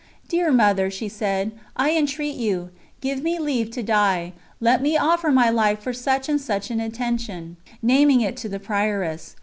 "Dear Mother," she said, "I entreat you, give me leave to die. Let me offer my life for such and such an intention" naming it to the Prioress.